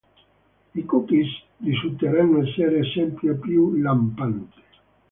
I cookies risulteranno essere l’esempio più lampante.